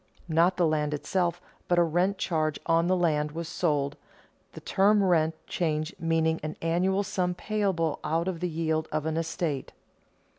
Not the land itself but a rent charge on the land was sold, the term rent charge meaning an annual sum payable out of the yield of an estate.